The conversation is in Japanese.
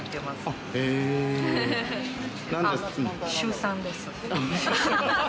あっ、週３です。